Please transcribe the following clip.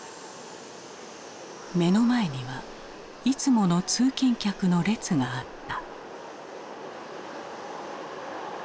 目の前にはいつもの通勤客の列があった。